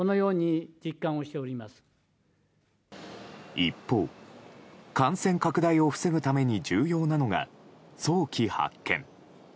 一方、感染拡大を防ぐために重要なのが早期発見。